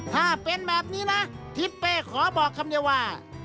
ถ้าเป็นแบบนี้นะทิศเป้ขอบอกคำเดียวว่า